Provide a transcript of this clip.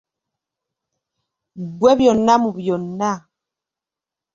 Ggwe byonna mu byonna.